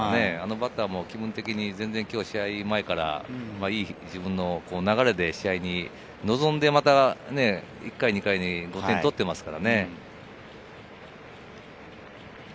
バッターも気分的に今日、試合前からいい自分の流れで試合に臨んで、また１回、２回、５点取ってますからね。